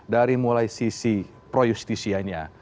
dari mulai sisi pro justisianya